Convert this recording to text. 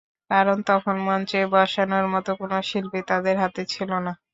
কারণ তখন মঞ্চে বসানোর মতো কোনো শিল্পী তাদের হাতে ছিল না।